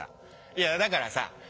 いやだからさ